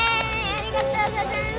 ありがとうございます。